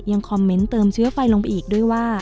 คอมเมนต์เติมเชื้อไฟลงไปอีกด้วยว่า